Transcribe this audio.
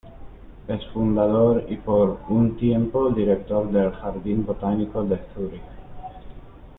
Es fundador y por un tiempo director del Jardín Botánico de Zúrich.